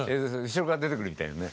後ろから出てくるみたいなね。